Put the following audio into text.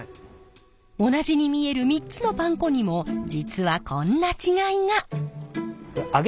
同じに見える３つのパン粉にも実はこんな違いが！へえ。